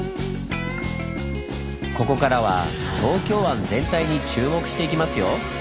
ここからは東京湾全体に注目していきますよ！